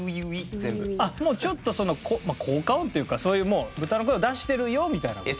あっもうちょっとまあ効果音っていうかそういう豚の声を出してるよみたいな事？